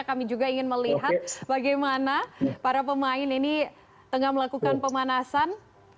kami juga ingin melihat bagaimana para pemain ini tengah melakukan pemanasan